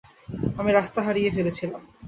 আমি রাস্তা হারিয়ে ফেলেছিলাম।